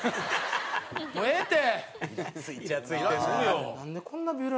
もうええって！